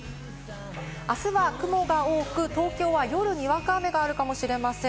明日は雲が多く、東京は夜にはにわか雨があるかもしれません。